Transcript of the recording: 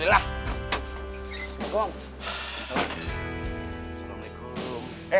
cuma carnet ya udah disem fridge